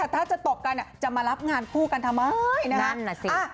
ถ้าจะตบกันจะมารับงานคู่กันทำไมนะครับ